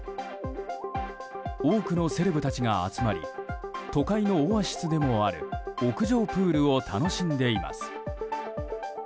多くのセレブたちが集まり都会のオアシスでもある屋上プールを楽しんでいます。